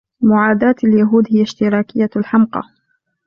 معاداة اليهود هي اشتراكية الحمقى.